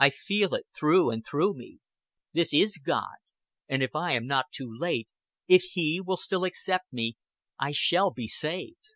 I feel it through and through me. This is God; and if I am not too late, if He will still accept me, I shall be saved.